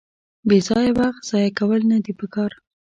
بېځایه وخت ځایه کول ندي پکار.